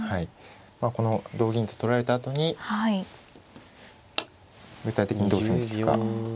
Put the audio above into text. この同銀と取られたあとに具体的にどう攻めていくか。